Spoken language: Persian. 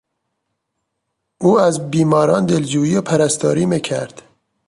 او از بیماران دلجویی و پرستاری میکرد.